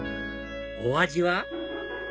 お味は？